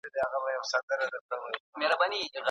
د اړودوړ په وخت کي قوانين خپل ارزښت له لاسه ورکوي.